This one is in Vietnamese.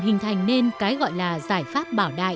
hình thành nên cái gọi là giải pháp bảo đại